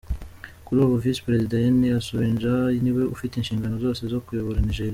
Kuri ubu Visi Perezida Yemi Osinbajo niwe ufite inshingano zose zo kuyobora Nigeria.